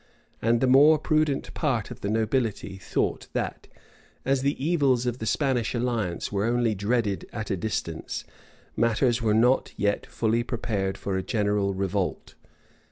[*] And the more prudent part of the nobility thought that, as the evils of the Spanish alliance were only dreaded at a distance, matters were not yet fully prepared for a general revolt.